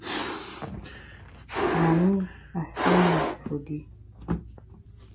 Na me I send yi for dey.